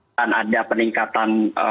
akan ada peningkatan